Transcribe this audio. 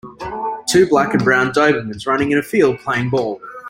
Two black and brown dobermans running in a field playing ball.